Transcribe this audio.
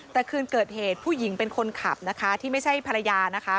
แต่คืนเกิดเหตุผู้หญิงเป็นคนขับนะคะที่ไม่ใช่ภรรยานะคะ